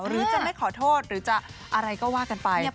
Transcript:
หรือจะไม่ขอโทษหรือจะอะไรก็ว่ากันไป